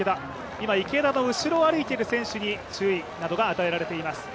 今、池田の後ろを歩いている選手に注意などが与えられています。